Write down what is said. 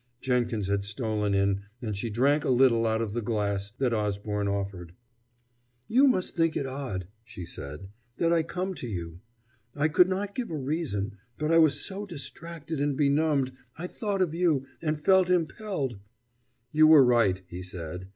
Jenkins had stolen in, and she drank a little out of the glass that Osborne offered. "You must think it odd," she said, "that I come to you. I could not give a reason but I was so distracted and benumbed. I thought of you, and felt impelled " "You were right," he said.